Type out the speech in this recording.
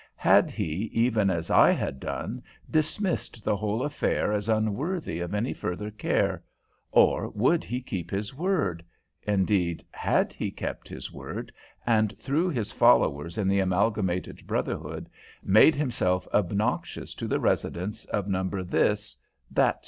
Had he, even as I had done, dismissed the whole affair as unworthy of any further care, or would he keep his word? indeed, had he kept his word, and, through his followers in the Amalgamated Brotherhood, made himself obnoxious to the residents of Number This, That Street?